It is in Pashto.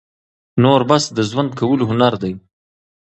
نور بس د ژوند کولو هنر دى،